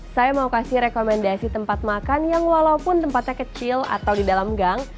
saya mau kasih rekomendasi tempat makan yang walaupun tempatnya kecil atau di dalam gang